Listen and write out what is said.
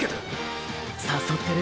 誘ってる？